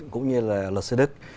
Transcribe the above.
cũng như là luật sư đức